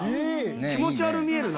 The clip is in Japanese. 気持ち悪く見えるな。